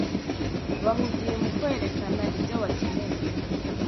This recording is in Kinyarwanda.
bahugiye mu kwerekana ibyo bakeneye